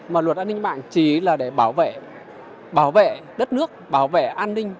mà luật an ninh mạng chỉ là để bảo vệ đất nước bảo vệ an ninh